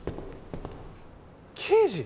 刑事！